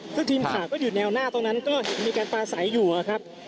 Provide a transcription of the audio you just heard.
ซึ่งทีมข่าวก็อยู่แนวหน้าตรงนั้นก็มีการปลาใสอยู่ครับ